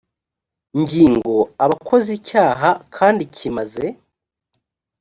ngingo aba akoze icyaha kandi kimaze